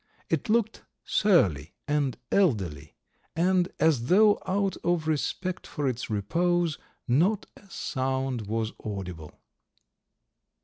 It looked surly and elderly, and, as though out of respect for its repose, not a sound was audible.